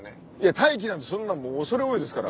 待機なんてそんなもう恐れ多いですから。